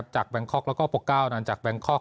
จากแบงคอกแล้วก็โปกก้าวจากแบงคอก